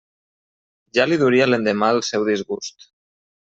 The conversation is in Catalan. Ja li duria l'endemà el seu disgust.